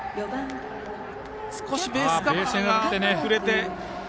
少しベースカバーが遅れて。